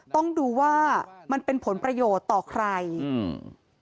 ต้องดูว่ามันเป็นผลประโยชน์ต่อใครอืม